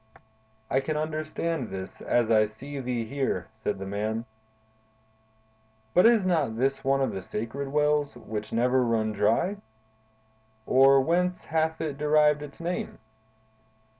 "I can understand this, as I see thee here," said the man. "But is not this one of the sacred wells, which never run dry? or whence hath it derived its name?"